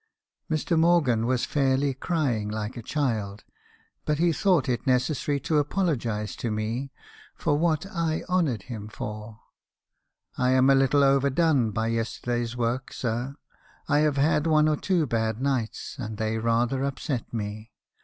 "Mr. Morgan was fairly crying like a child. But he thought it necessary to apologise to me , for what I honoured him for. 'I am a little overdone by yesterday's work, sir. I have had one or two bad nights , and they rather upset me.